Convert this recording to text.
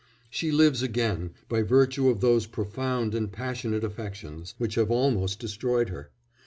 She lives again by virtue of those profound and passionate affections which had almost destroyed her.